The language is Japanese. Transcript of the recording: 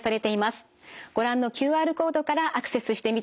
ご覧のＱＲコードからアクセスしてみてください。